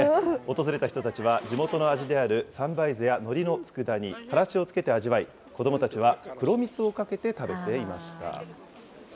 訪れた人たちは、地元の味である三杯酢やノリのつくだ煮、からしをつけて味わい、子どもたちは黒蜜をかけて食べていました。